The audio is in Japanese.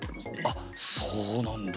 あっそうなんだ。